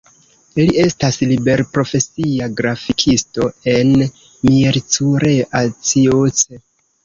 Li estas liberprofesia grafikisto en Miercurea Ciuc.